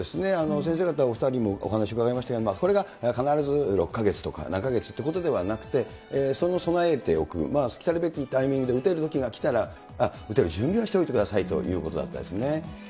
先生方、お２人にもお話伺いましたが、これが必ず６か月とか、何か月ということではなくて、それに備えておく、来るべきタイミングで、打てるときがきたら、打てる準備はしておいてくださいということですね。